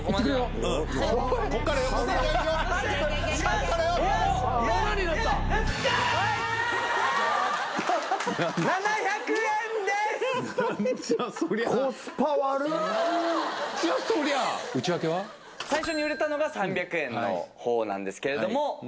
覆个拭最初に売れたのが３００円のほうなんですけれども。